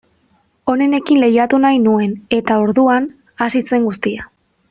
Onenekin lehiatu nahi nuen, eta orduan hasi zen guztia.